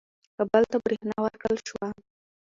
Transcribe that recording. کابل ته برېښنا ورکړل شوه.